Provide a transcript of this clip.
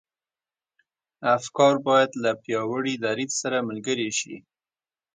افکار بايد له پياوړي دريځ سره ملګري شي.